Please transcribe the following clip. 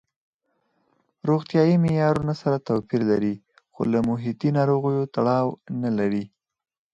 روغتیايي معیارونه سره توپیر لري خو له محیطي ناروغیو تړاو نه لري.